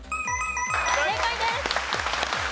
正解です。